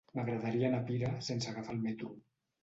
M'agradaria anar a Pira sense agafar el metro.